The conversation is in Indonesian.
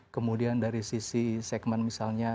kemudian dari sisi segmen misalnya